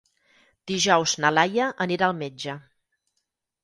Dijous na Laia anirà al metge.